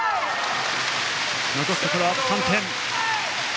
残すところ、あと３点。